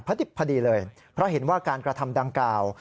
พอดีเลยเพราะเห็นว่าการกระทำดังกล่าว